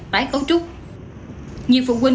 tái cấu trúc nhiều phụ huynh